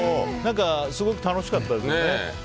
すごく楽しかったですね。